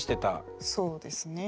そうですね。